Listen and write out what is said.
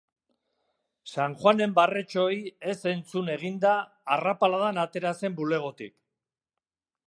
Sanjuanen barretxoei ez entzun eginda, arrapaladan atera zen bulegotik.